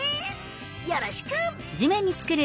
よろしく！